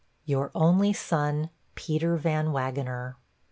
'Your only son, 'PETER VAN WAGENER.'